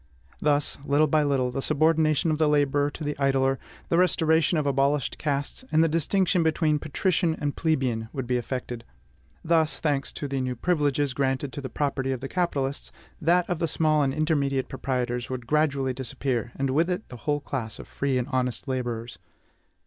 Thus, little by little, the subordination of the laborer to the idler, the restoration of abolished castes, and the distinction between patrician and plebeian, would be effected; thus, thanks to the new privileges granted to the property of the capitalists, that of the small and intermediate proprietors would gradually disappear, and with it the whole class of free and honest laborers.